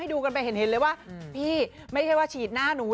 ดูกันไปเห็นเลยว่าพี่ไม่ใช่ว่าฉีดหน้าหนู